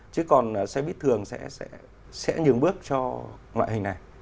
chứ còn xe buýt thường sẽ nhường bước cho loại hình này